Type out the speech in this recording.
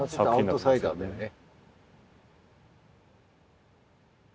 アウトサイダーだよね。